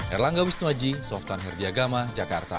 erlangga wisnuaji softan herdiagama jakarta